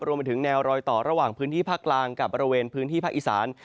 รวมไปถึงแนวรอยต่อระหว่างพื้นที่ภาคกลางกับบริเวณพื้นที่ภาคอีสาน